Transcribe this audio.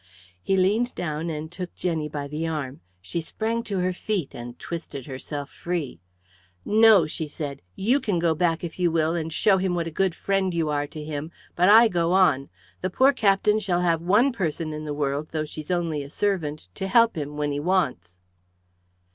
He leaned down and took Jenny by the arm. She sprang to her feet and twisted herself free. "No," she said, "you can go back if you will and show him what a good friend you are to him. But I go on. The poor captain shall have one person in the world, though she's only a servant, to help him when he wants."